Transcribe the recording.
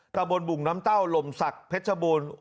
กระบวนบุ่งน้ำเต้าลมสักเพชรบูน